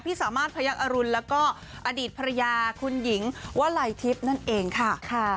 สามารถพยักษรุณแล้วก็อดีตภรรยาคุณหญิงวลัยทิพย์นั่นเองค่ะ